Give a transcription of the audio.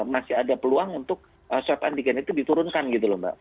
masih ada peluang untuk swab antigen itu diturunkan gitu loh mbak